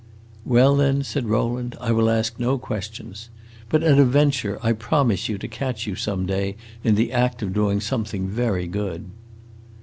"Well, then," said Rowland, "I will ask no questions. But, at a venture, I promise you to catch you some day in the act of doing something very good."